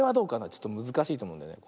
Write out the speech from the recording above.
ちょっとむずかしいとおもうんだよね。